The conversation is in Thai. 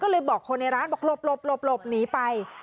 ก็เลยบอกคนในร้านบอกหลบหนีไป